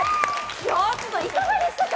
ちょっといかがでしたか？